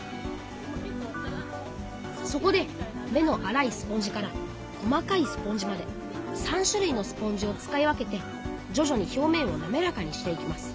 そこで目のあらいスポンジから細かいスポンジまで３種類のスポンジを使い分けてじょじょに表面をなめらかにしていきます。